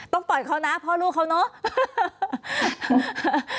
ต้องปล่อยเขานะพ่อลูกเขาเนาะ